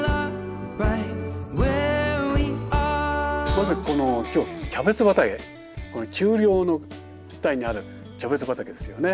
まずこの今日キャベツ畑この丘陵の下にあるキャベツ畑ですよね。